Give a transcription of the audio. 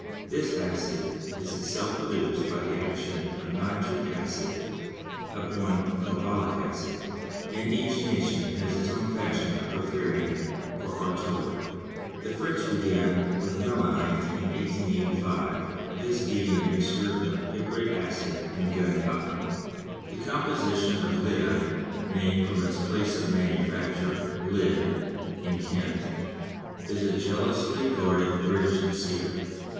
This acid is itself produced by the action of nitric acid upon carbolic acid, and each nation has its own fashion of preparing it for artillery. The French began with mélinite in 1885, this being a mixture of picric acid and gun cotton. The composition of lyddite (named from its place of manufacture, Lydd, in Kent) is a jealously guarded British secret.